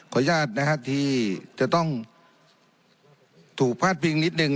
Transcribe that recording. ขออนุญาตที่จะต้องถูกพลาดเพียงนิดหนึ่ง